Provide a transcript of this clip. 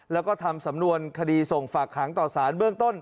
แล้วก็ทำสำนวนคดีส่งฝากขังต่อสารเบื้องต้น